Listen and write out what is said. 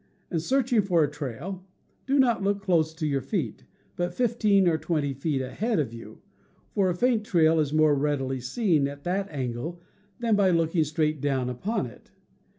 In searching for a trail, do not look close to your feet, but fifteen or twenty feet ahead of 214 CAMPING AND WOODCRAFT you, for a faint trail is more readily seen at that angle than by looking straight down upon it.